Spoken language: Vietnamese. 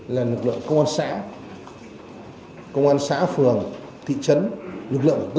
lực lượng công an nhân dân đã hy sinh và bị thương trong khi làm nhiệm vụ dịp tết nguyên đán